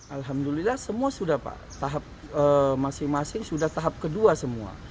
alhamdulillah semua sudah pak tahap masing masing sudah tahap kedua semua